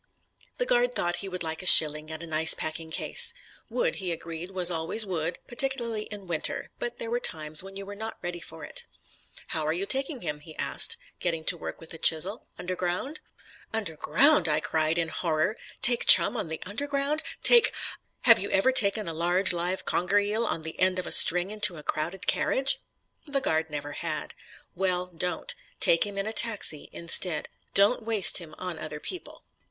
The guard thought he would like a shilling and a nice packing case. Wood, he agreed, was always wood, particularly in winter, but there were times when you were not ready for it. "How are you taking him?" he asked, getting to work with a chisel. "Underground?" "Underground?" I cried in horror. "Take Chum on the Underground? Take Have you ever taken a large live conger eel on the end of a string into a crowded carriage?" The guard never had. "Well, don't. Take him in a taxi instead. Don't waste him on other people."